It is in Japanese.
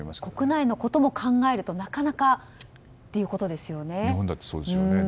国内のことを考えるとなかなかということですよね。